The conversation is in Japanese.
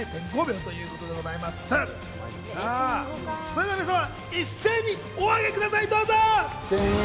それでは皆さん一斉にお挙げください。